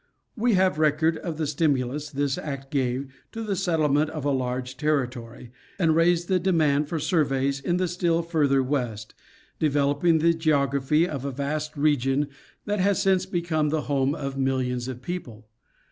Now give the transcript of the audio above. We have record of the stimulus this act gave to the settlement of a large territory, and raised the demand for surveys in the still further west, developing the geography of a vast region that has since become the home of millions of people.